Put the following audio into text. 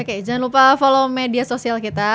oke jangan lupa follow media sosial kita